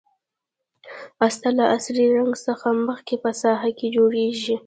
استر له اصلي رنګ څخه مخکې په ساحه کې جوړیږي.